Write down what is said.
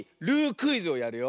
クイズをやるよ。